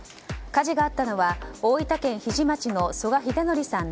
火事があったのは大分県日出町の曽我秀則さん